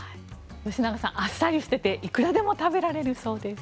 吉永さん、あっさりしてていくらでも食べられるそうです。